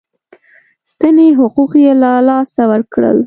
سنتي حقوق یې له لاسه ورکړل.